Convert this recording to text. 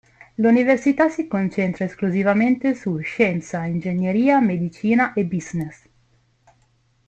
L'università si concentra esclusivamente su scienza, ingegneria, medicina e business.